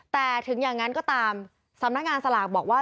แต่ถึงอย่างนั้นก็ตามสำนักงานสลากบอกว่า